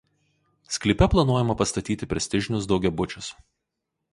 Sklype planuojama pastatyti prestižinius daugiabučius.